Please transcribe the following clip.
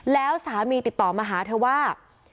แล้วสามีติดต่อมาหาเธอว่า